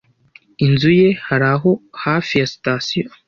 Inzu ye hari aho hafi ya sitasiyo?